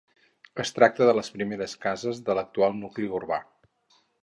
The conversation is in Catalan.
Es tracta de les primeres cases de l'actual nucli urbà.